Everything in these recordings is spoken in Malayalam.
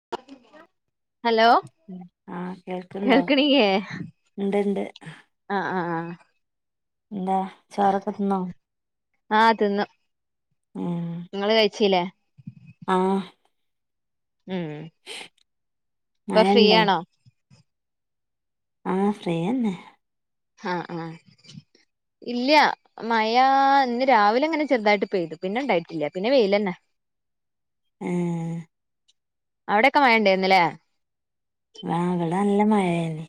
[unintelligible] ഹലോ ആഹ് കേൾക്ക്ണ്ടോ കേൾക്കണില്ലേ ഇണ്ട്ണ്ട്. ആഹ് ആഹ് ആഹ് എന്താ ചോറൊക്കെ തിന്നോ? ആഹ് തിന്നു. ഏഹ് നിങ്ങൾ കഴിച്ചില്ലേ? ആഹ് ഉമ് ഇപ്പൊ മഴണ്ടോ ഫ്രീയാണോ? ആഹ് ഫ്രീയന്നെ ആഹ് ആഹ് ഇല്ല മഴ ഇന്ന് രാവിലെ അങ്ങനെ ചെറുതായിട്ട് പെയ്തു പിന്നെ ഉണ്ടായിട്ടില്ല പിന്നെ വെയിലന്നെ [inaudible] ഏഹ് അവിടൊക്കെ മഴണ്ടായിരുന്നല്ലേ? ആഹ് ഇവടെ നല്ല മഴയെനി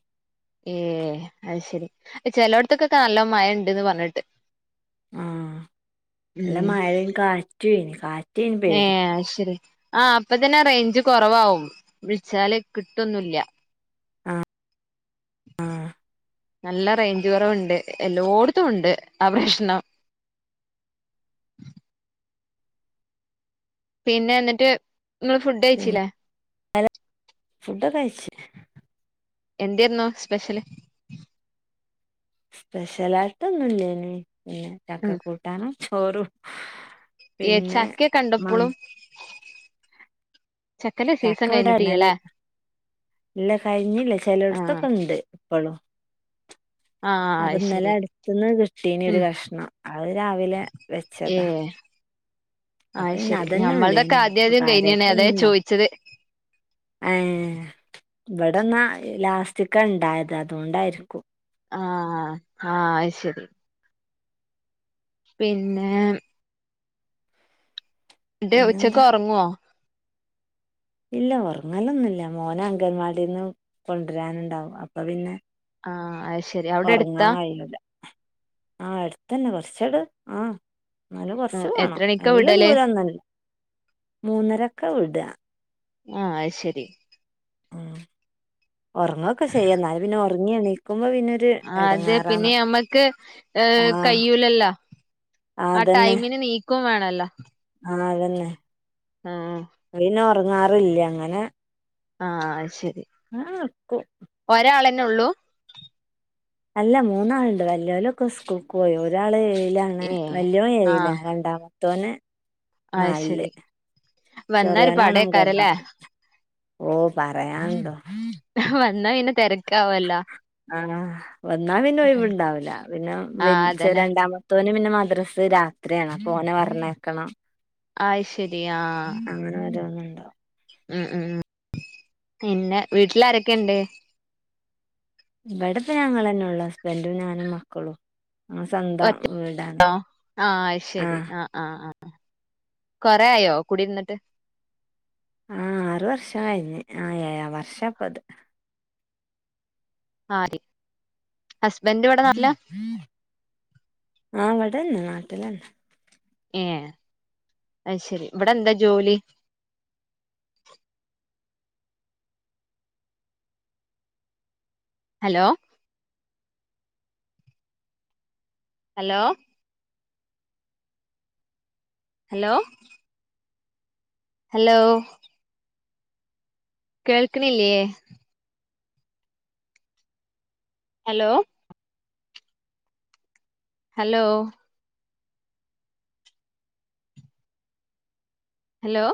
ഏഹ് അയ് ശരി ചെലോടത്തക്കൊക്കെ നല്ല മഴ ഉണ്ട്ന്ന് പറഞ്ഞേട്ട്. ആഹ് നല്ല ഉം മഴ കാറ്റെയിനും കാറ്റയിനും പേടി. ആഹ്ശരി. ആഹ് അപ്പൊ തന്നെ റേഞ്ച് കുറവാകവും വിളിച്ചാല് കിട്ടൊന്നുമില്ല. ആഹ് ആഹ് നല്ല റേഞ്ച് കുറവുണ്ട് എല്ലായിടത്തും ഉണ്ട് ആഹ് പ്രശ്നം. പിന്നെ എന്നിട്ട് നിങ്ങൾ ഫുഡ് കഴിച്ചില്ലേ? ഹലോ ഫുഡൊക്കെ കഴിച്ചു. എന്തെയിന്നു സ്പെഷ്യല്? സ്പെഷലായിട്ടൊന്നും ഇല്ലയിനും പിന്നെ ഉം ചക്ക കൂട്ടാനോ ചോറും. പിന്നെ ചക്ക മ കണ്ടപ്പോഴും ചക്കന്റെ സീസൺ ചക്കെവിടെ കഴിഞ്ഞിട്ടില്ലല്ലേ ഇല്ല കഴിഞ്ഞില്ല ആഹ് ചിലടത്തൊക്കെ ഉണ്ട്. ഇപ്പളും. ആഹ് അത് ഇന്നലെ ശരി അടുത്തന്ന് കിട്ടീന ഉം ഒരു കഷണം അത് രാവിലെ വെച്ചതാ ഏഹ് അപ്പൊ അത് പിന്നെ ശരി അതന്നെ ഞമ്മൾതൊക്കെ ഉള്ളഅയിം അപ്പൊ ആദ്യാദ്യം കഴിഞ്ഞാണ് കാര്യമായിട്ട അതാ ഒന്നും ഇണ്ടാക്ക ചോയിച്ചത് ഏഹ് ഇവിടെന്നാ ലാസ്റ്റിക്ക ഉണ്ടായത് അതുണ്ടായിരിക്കും ആഹ് ആഹ് അയ്ശരി പിന്നെ ന്നിട്ട്ഉച്ചക്ക് പിന്നെന്താ ഉറങ്ങുവോ? ഇല്ല ഉറങ്ങലൊന്നുല്ല മോന അംഗൽവാടിന്ന് കൊണ്ടുവരാനുണ്ടാവും അപ്പൊ പിന്നെ ആഹ് അയ്ശരി അവിടെ ഉറങ്ങാൻ എടുത്താ? കഴിയൂല ആഹ് എടുത്തന്നെ കുറച്ചട് ആഹ് എന്നാലും ഉം കൊറച്ച് എത്ര പോണം മണിക്കാ വല്യ വിടല് ദൂരം ഒന്നല്ല മൂന്നരൊക്കെ വിടു ആഹ് അയ്ശരി ഉം ഉറങ്ങൊക്കെ ചെയ്യാം എന്നാല പിന്നെ ഉറങ്ങി എണീക്കുമ്പോ പിന്നെ ആഹ് അതെ പിന്നെ നമ്മക്ക് ഏഹ് ആഹ് കയ്യൂലല്ലോ? ആഹ് അതന്നെ ടൈമിന് നീക്കും വേണല്ലോ ആഹ് അതന്നെ ആഹ് അതിഇന്നെ ഉറങ്ങാറില്ല ങ്ങനെ ആഹ് ശരി ആഹ് ക്കും ഒരാളന്നെള്ളൂ അല്ല മൂന്നാളുണ്ട് വ്യല്യോലൊക്കെ സ്കൂൾക്ക് പോയി ഒരാള് ലാണ് ഏഹ് വല്യോൻ ആഹ് ഏഴിലാ രണ്ടാമത്തോന് അത് നാലില് ശരി വന്നാ ഒരു ചെറിയോനാണഞ്ചാ പടേക്കാരല്ലേ ഓ പറയാണ്ടോ വന്നാ പിന്നെ തിരക്കാവൊല്ലൊ ആഹ് വന്നാ പിന്നെ ഒഴിവുണ്ടാവില്ല പിന്നെ ആഹ് വൽച്ച അതന്നെ രണ്ടാമ മത്തോന് പിന്നെ മദ്രസ് രാത്രിയാണ് അപ്പോ ഓനെ പറഞ്ഞയക്കണം ആയ്ശരിയാ ആരന്നണ്ടോ ഉം ഉം ഉം പിന്നെ വീട്ടിൽ ആരൊക്കെണ്ട് ഇവിടപ്പ ഞങ്ങളന്നെള്ളൂ ഹസ്ബൻഡും ഞാനും മക്കളും ഞങ്ങളെ സ്വന്തം ഒറ്റ വീടാണ് ണ്ടൊ ആഹ് ശരി ആഹ് ആഹ് ആഹ് കൊറയായോ കുടിരുന്നിട്ട് ആഹ് ആർ വർഷായിണ് ആഹ് ഏഴാം വർഷാപ്പത് ആഹ്ഇ ഹസ്ബൻഡ് ഇവിടെ നാട്ടിലാ ആഹ് വിടെന്നെ നാട്ടിലന്നെ ഏഹ് അയ്ശരി ഇവിടെന്താ ജോലി ഹലോ ഹലോ അലോ ഹലോ കേൾക്കിണില്ലേ? Hello hello hello